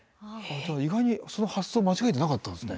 意外にその発想間違えてなかったんですね。